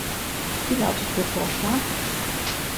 Wie lautet Ihr Vorschlag?